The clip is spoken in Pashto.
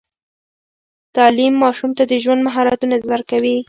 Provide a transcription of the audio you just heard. تعليم ماشوم ته د ژوند مهارتونه ورکوي.